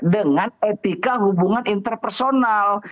dengan etika hubungan interpersonal